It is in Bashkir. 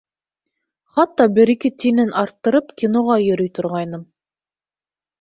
Хатта бер-ике тинен арттырып киноға йөрөй торғайным.